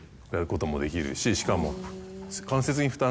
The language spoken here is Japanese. しかも。